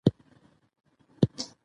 په واکسین کمپاین کې عامه پوهاوی اړین دی.